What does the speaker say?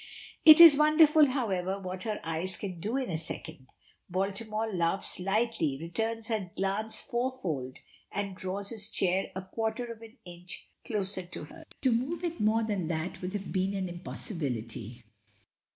It is wonderful, however, what her eyes can do in a second. Baltimore laughs lightly, returns her glance four fold, and draws his chair a quarter of an inch closer to hers. To move it more than that would have been an impossibility.